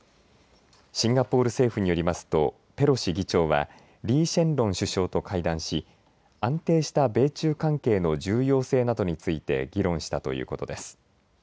シンガポール政府によりますとペロシ議長はリー・シェンロン首相と会談し安定した米中関係の重要性などについて議論したということです。